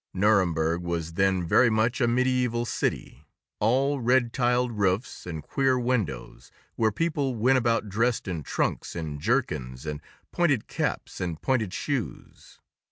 Nuremberg was then very much a medieval city, all red tiled roofs and queer windows, where people went about dressed in trunks and jerkins and pointed caps and pointed shoes.